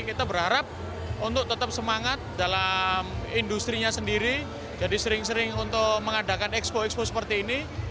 kita berharap untuk tetap semangat dalam industri nya sendiri jadi sering sering untuk mengadakan expo expo seperti ini